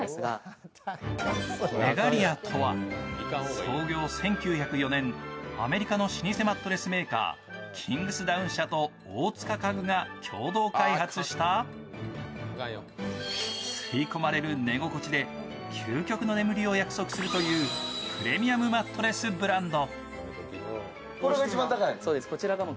創業１９０４年、アメリカ老舗マットレスメーカー、キングスダウン社と大塚家具が共同開発した吸い込まれる寝心地で究極の眠りを約束するというプレミアムマットレスブランド。